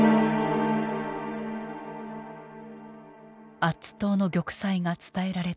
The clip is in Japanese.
アッツ島の玉砕が伝えられた直後。